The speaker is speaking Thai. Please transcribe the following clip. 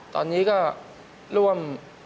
ตอนนี้ก็ร่วม